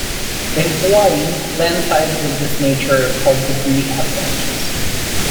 In Hawaii, landslides of this nature are called debris avalanches.